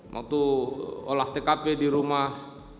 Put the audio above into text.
waktu olah tkp di rumah